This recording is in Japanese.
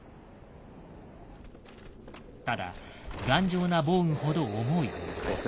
ただ頑丈な防具ほど重い。